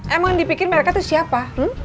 emang dipikir mereka tuh siapa